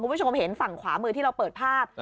คุณผู้ชมเห็นฝั่งขวามือที่เราเปิดภาพ